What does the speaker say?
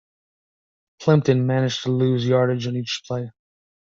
Plimpton managed to lose yardage on each play.